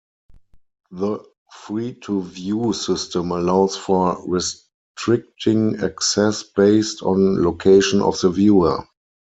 The free-to-view system allows for restricting access based on location of the viewer.